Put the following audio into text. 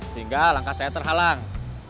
sehingga langkah saya terhalang